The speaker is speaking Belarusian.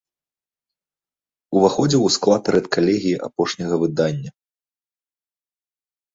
Уваходзіў у склад рэдкалегіі апошняга выдання.